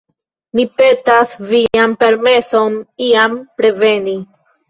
Mi petas vian permeson iam reveni.